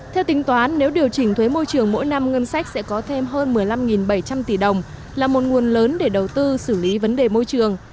theo tính toán nếu điều chỉnh thuế môi trường mỗi năm ngân sách sẽ có thêm hơn một mươi năm bảy trăm linh tỷ đồng là một nguồn lớn để đầu tư xử lý vấn đề môi trường